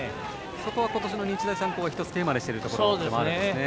そこは今年の日大三高は１つテーマにしているところでもあるんですね。